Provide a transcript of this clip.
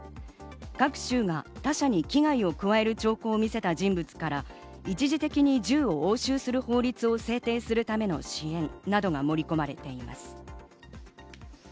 各州が他者に危害を加える兆候を見せた人物から一時的に銃を押収する法律を制定するための支援などが盛り込まれています。